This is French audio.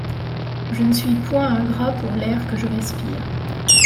Je ne suis point ingrat pour l'air que je respire